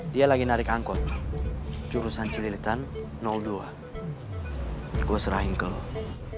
dia lagi narik angkot jurusan cililitan dua gue serahin ke lo